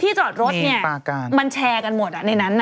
ที่จอดรถมันแชร์กันหมดในนั้น